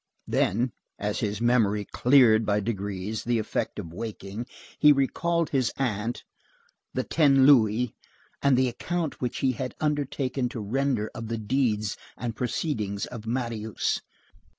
Then, as his memory cleared by degrees, the effect of waking, he recalled his aunt, the ten louis, and the account which he had undertaken to render of the deeds and proceedings of Marius.